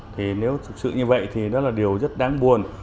thì nếu thực sự như vậy thì nó là điều rất đáng buồn